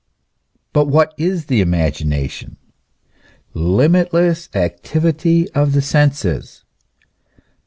But what is the imagination ? limitless activity of the senses.